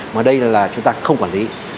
mà đây là chúng ta không quản lý